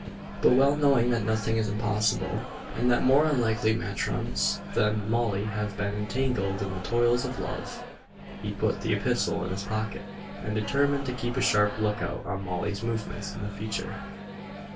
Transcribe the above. But well knowing that nothing is impossible, and that more unlikely matrons than Molly have been entangled in the toils of love, he put the epistle in his pocket, and determined to keep a sharp look out on Molly's movements in future. [Illustration: MOLLY LOWE.